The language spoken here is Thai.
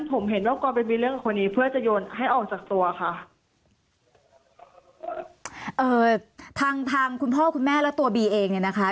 ผมเห็นว่ากรไปมีเรื่องกับคนนี้เพื่อจะโยนให้ออกจากตัวค่ะเอ่อทางทางคุณพ่อคุณแม่และตัวบีเองเนี่ยนะคะ